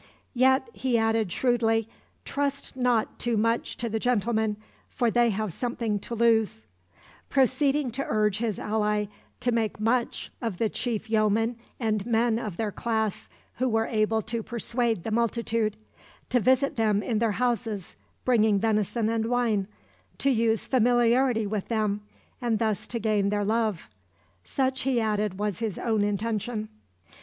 "Yet," he added shrewdly, "trust not too much to the gentlemen, for they have something to lose"; proceeding to urge his ally to make much of the chief yeomen and men of their class, who were able to persuade the multitude; to visit them in their houses, bringing venison and wine; to use familiarity with them, and thus to gain their love. Such, he added, was his own intention.